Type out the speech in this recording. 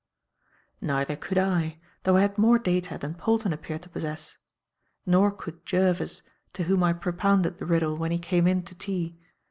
Neither could I, though I had more data than Polton appeared to possess. Nor could Jervis, to whom I propounded the riddle when he came in to tea.